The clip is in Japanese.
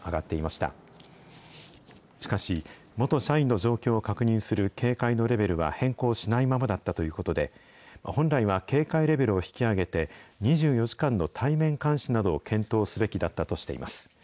しかし、元社員の状況を確認する警戒のレベルは変更しないままだったということで、本来は警戒レベルを引き上げて、２４時間の対面監視などを検討すべきだったとしています。